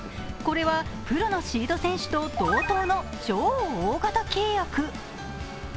これはプロのシード選手と同等の超大型契約。